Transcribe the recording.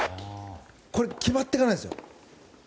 決まっていかないんですよ。